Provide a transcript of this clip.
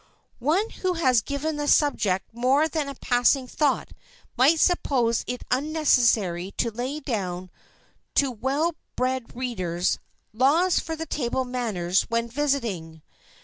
One who has given the subject more than a passing thought might suppose it unnecessary to lay down to well bred readers "Laws for Table Manners While Visiting."